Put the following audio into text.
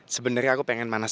sebenernya aku pengen manas manas